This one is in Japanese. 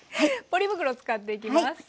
ポリ袋使っていきます。